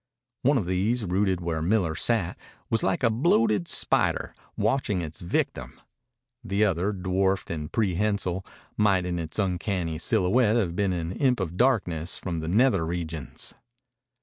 One of these, rooted where Miller sat, was like a bloated spider watching its victim. The other, dwarfed and prehensile, might in its uncanny silhouette have been an imp of darkness from the nether regions.